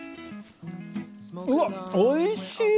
うわっおいしい！